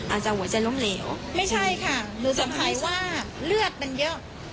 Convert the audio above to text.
อาจจะหัวใจล้มเหลวไม่ใช่ค่ะหรือสัมผัสว่าเลือดมันเยอะ